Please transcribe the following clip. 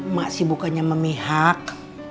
mak sibukannya memihak